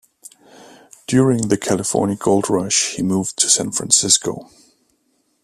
During the California Gold Rush he moved to San Francisco.